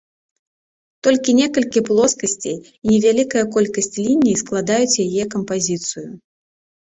Толькі некалькі плоскасцей і невялікая колькасць ліній складаюць яе кампазіцыю.